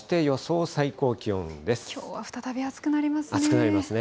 きょうは再び暑くなりますね。